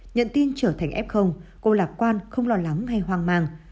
nhận tin trở thành f cô lạc quan không lo lắng hay hoang mang